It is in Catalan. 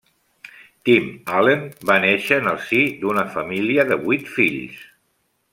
Tim Allen va néixer en el si d'una família de vuit fills.